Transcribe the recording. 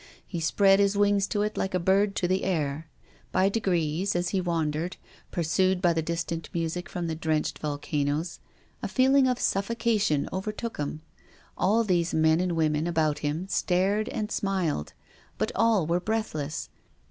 He spread his wings to it like a bird to the air. By degrees, as he wandered — pursued by the dis tant music from the drenched volcanoes — a feel ing of suffocation overtook him. All these men and women about him stared and smiled, but all were breathless.